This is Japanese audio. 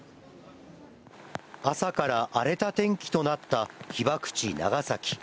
朝から荒れた天気となった被爆地、長崎。